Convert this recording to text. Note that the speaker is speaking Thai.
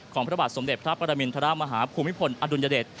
พระบาทสมเด็จพระปรมินทรมาฮาภูมิพลอดุลยเดช